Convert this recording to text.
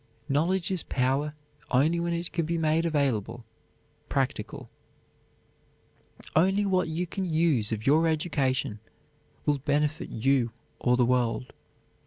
Knowledge is power only when it can be made available, practical. Only what you can use of your education will benefit you or the world.